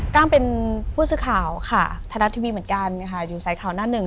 กล้างเป็นผู้สื่อข่าวค่ะไทยรัฐทีวีเหมือนกันค่ะอยู่สายข่าวหน้าหนึ่ง